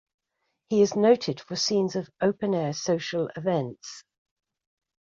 He is noted for scenes of open-air social events.